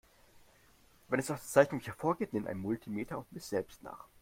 Wenn es aus der Zeichnung nicht hervorgeht, nimm ein Multimeter und miss selbst nach.